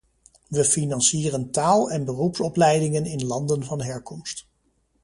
We financieren taal- en beroepsopleidingen in landen van herkomst.